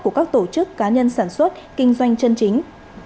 của các tổ chức cá nhân sản xuất kinh doanh chân chính